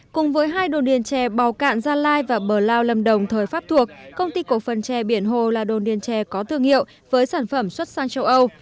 cùng với hai đồn điền trè bào cạn gia lai và bờ lao lâm đồng thời pháp thuộc công ty cổ phần trè biển hồ là đồn điền trè có thương hiệu với sản phẩm xuất sang châu âu